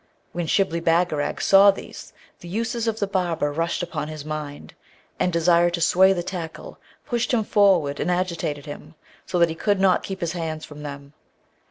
When Shibli Bagarag saw these, the uses of the barber rushed upon his mind, and desire to sway the tackle pushed him forward and agitated him, so that he could not keep his hands from them.